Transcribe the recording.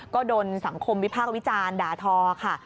ก็โดนสังคมวิพากษ์วิจารณ์ด่าทอค่ะ